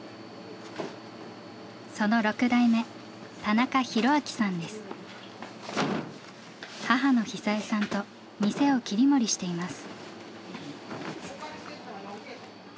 その６代目母の久壽さんと店を切り盛りしています。